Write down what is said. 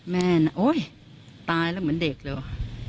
แม่น้ำโอ้ยตายแล้วเหมือนเด็กเลยว่ะ